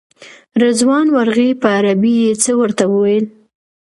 رضوان ورغی په عربي یې څه ورته وویل.